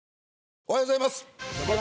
おはようございます。